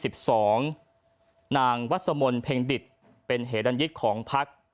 ๑๒คือนางวัฒสมนต์เพ็งดิตเป็นเหดัญญิตของพักษ์